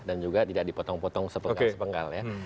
dan juga tidak dipotong potong sepengkal sepengkal ya